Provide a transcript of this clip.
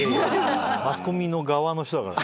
マスコミの側の人だから。